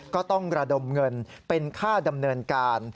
ก็ต้องระดมเงินเป็นค่าดำเนินการ